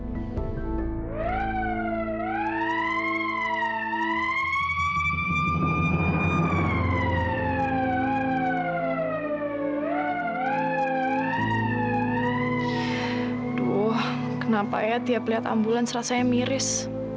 aduh kenapa ya tiap lihat ambulans rasanya miris